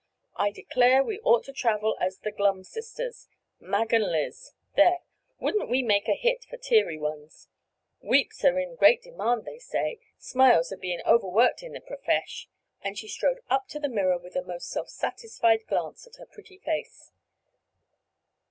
"I declare we ought to travel as 'The Glum Sisters—Mag and Liz.' There! Wouldn't we make a hit for teary ones? Weeps are in great demand they say. Smiles are being overworked in the profresh!" and she strode up to the mirror with a most self satisfied glance at her pretty face.